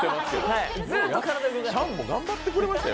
チャンも頑張ってくれましたよ。